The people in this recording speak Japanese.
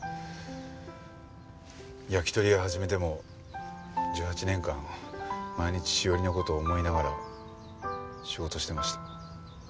焼き鳥屋始めても１８年間毎日史織の事を思いながら仕事してました。